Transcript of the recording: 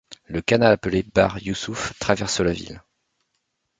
Le canal appelé Bahr Youssouf traverse la ville.